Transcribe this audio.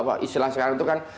apa istilah sekarang itu kan